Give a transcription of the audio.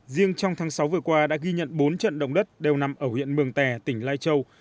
riêng trong tháng sáu vừa qua đã ghi nhận bốn trận động đất đều nằm ở huyện mường tè tỉnh lai châu